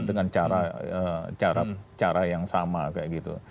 dengan cara yang sama kayak gitu